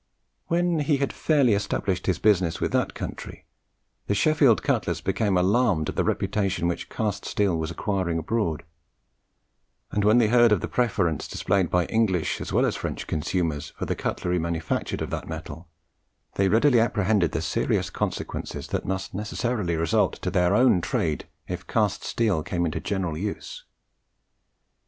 When he had fairly established his business with that country, the Sheffield cutlers became alarmed at the reputation which cast steel was acquiring abroad; and when they heard of the preference displayed by English as well as French consumers for the cutlery manufactured of that metal, they readily apprehended the serious consequences that must necessarily result to their own trade if cast steel came into general use.